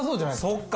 そっか。